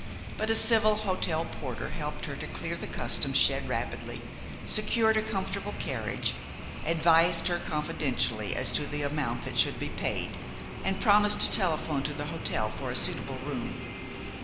But a civil hotel porter helped her to clear the customs shed rapidly, secured a comfortable carriage, advised her confidentially as to the amount that should be paid, and promised to telephone to the hotel for a suitable room.